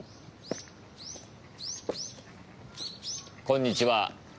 こんにちは。